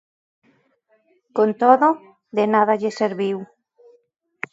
Con todo, de nada lle serviu.